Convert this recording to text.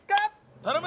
頼む！